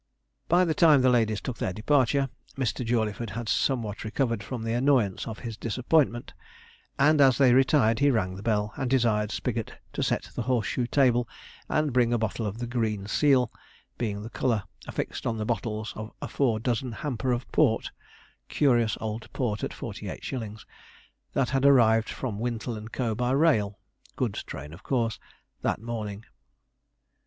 By the time the ladies took their departure, Mr. Jawleyford had somewhat recovered from the annoyance of his disappointment; and as they retired he rang the bell, and desired Spigot to set in the horse shoe table, and bring a bottle of the "green seal," being the colour affixed on the bottles of a four dozen hamper of port ("curious old port at 48_s_.") that had arrived from "Wintle & Co." by rail (goods train of course) that morning.